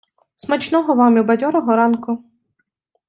Смачного вам і бадьорого ранку!